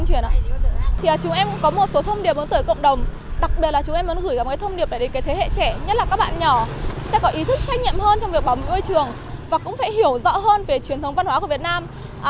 chúng em cũng có một số thông điệp tới cộng đồng đặc biệt là chúng em gửi thông điệp đến thế hệ trẻ nhất là các bạn nhỏ sẽ có ý thức trách nhiệm hơn trong việc bảo vệ môi trường và cũng phải hiểu rõ hơn về truyền thống văn hóa của việt nam